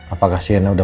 apakah sienna udah pulang